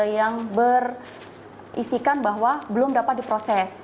yang berisikan bahwa belum dapat diproses